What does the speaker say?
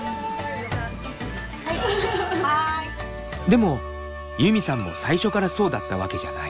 でもユミさんも最初からそうだったわけじゃない。